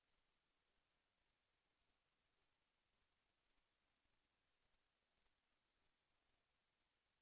แสวได้ไงของเราก็เชียนนักอยู่ค่ะเป็นผู้ร่วมงานที่ดีมาก